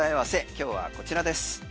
今日はこちらです。